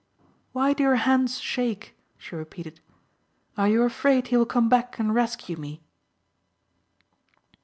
"Why do your hands shake?" she repeated. "Are you afraid he will come back and rescue me?"